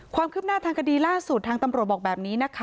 ความคืบหน้าทางคดีล่าสุดทางตำรวจบอกแบบนี้นะคะ